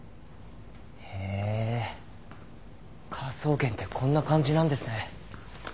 へえ科捜研ってこんな感じなんですね。